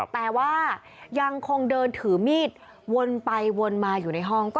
แต่ว่ายังคงเดินถือมีดวนไปวนมาอยู่ในห้อง